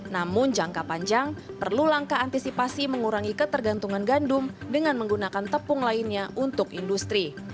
namun jangka panjang perlu langkah antisipasi mengurangi ketergantungan gandum dengan menggunakan tepung lainnya untuk industri